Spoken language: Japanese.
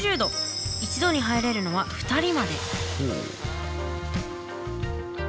一度に入れるのは２人まで。